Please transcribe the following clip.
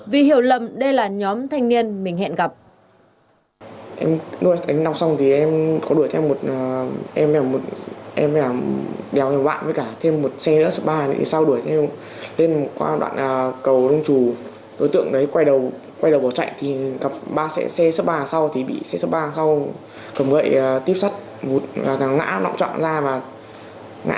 vì hiểu lầm nhóm thanh niên đã tập trung tại khu vực ngã nam thị trấn văn giang hưng yên